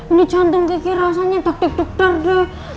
ini contoh riki rasanya taktik dokter deh